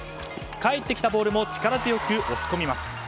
返ってきたボールも力強く押し込みます。